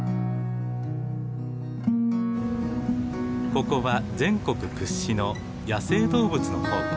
ここは全国屈指の野生動物の宝庫。